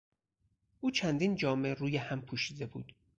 او چندین جامه روی هم پوشیده بود.